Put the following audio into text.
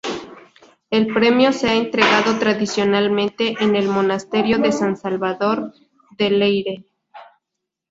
El premio se ha entregado tradicionalmente en el Monasterio de San Salvador de Leyre.